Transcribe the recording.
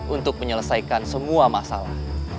untuk menyelesaikan semua masalah